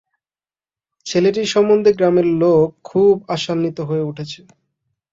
ছেলেটির সম্বন্ধে গ্রামের লোক খুব আশান্বিত হয়ে উঠেছে।